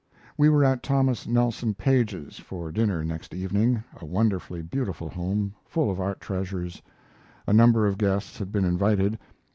We were at Thomas Nelson Page's for dinner next evening a wonderfully beautiful home, full of art treasures. A number of guests had been invited.